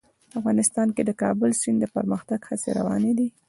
افغانستان کې د د کابل سیند د پرمختګ هڅې روانې دي.